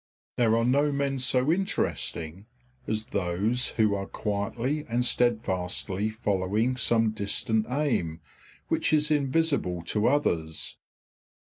There are no men so interesting as those who are quietly and steadfastly following some distant aim which is invisible to others.